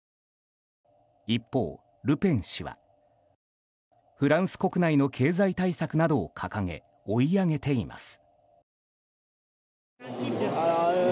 一方、ルペン氏はフランス国内の経済対策などを掲げ追い上げています。